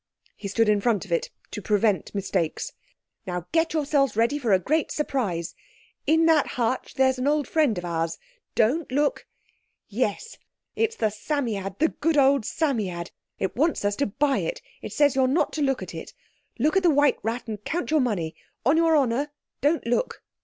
He stood in front of it to prevent mistakes. "Now get yourselves ready for a great surprise. In that hutch there's an old friend of ours—don't look!—Yes; it's the Psammead, the good old Psammead! it wants us to buy it. It says you're not to look at it. Look at the white rat and count your money! On your honour don't look!"